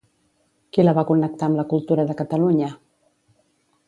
Qui la va connectar amb la cultura de Catalunya?